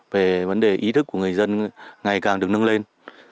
về vấn đề ý thức của người dân ngày càng được nâng lên